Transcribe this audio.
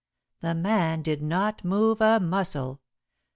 The man did not move a muscle.